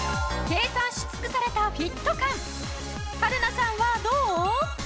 計算し尽くされたフィット感春菜さんはどう？